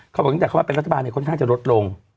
เขาบอกตั้งแต่เข้ามาเป็นรัฐบาลเนี่ยค่อนข้างจะลดลง